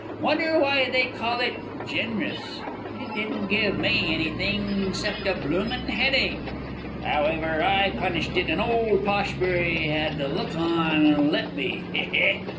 Wunner why they call it "gen'rous" it didn't give me anything 'cept a bloomin' headache! However, I punished it, and old Poshbury had to look on and let me. He he!